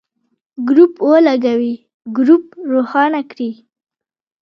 ګروپ ولګوئ ، ګروپ روښانه کړئ.